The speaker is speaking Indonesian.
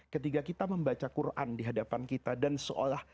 ketika kita membaca quran di hadapan kita dan seolah